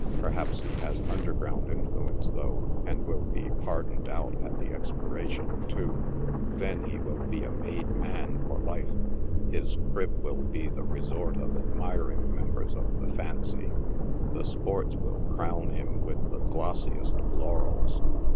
Perhaps he has underground influence, though, and will be '; pardoned out" at the expiration of two. Then he will be a made man for life. His " crib" will be the resort of admiring members of the " fancy." The " sports" will crown him with the glossiest of laurels.